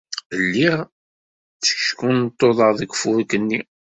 Lliɣ tteckunṭuḍeɣ deg ufurk-nni.